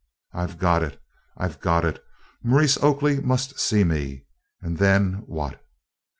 "I 've got it! I 've got it! Maurice Oakley must see me, and then what?"